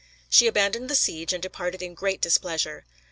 She abandoned the siege and departed in great displeasure.